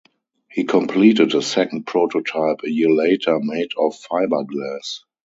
He completed a second prototype a year later made of fiberglass.